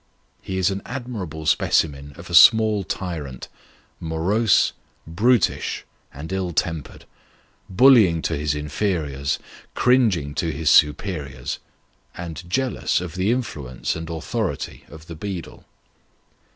He is an admirable specimen of a small tyrant : morose, brutish, and ill tempered ; bullying to his inferiors, cringing to his superiors, and jealous of the influence and authority of the beadle.